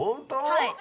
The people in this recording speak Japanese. はい。